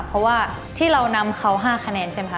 เพราะว่าที่เรานำเขา๕คะแนนใช่ไหมคะ